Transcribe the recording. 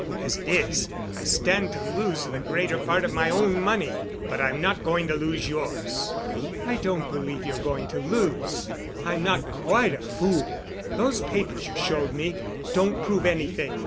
As it is, I stand to lose the greater part of my own money, but I'm not going to lose yours." "I don't believe you're going to lose. I'm not quite a fool. Those papers you showed me don't prove anything.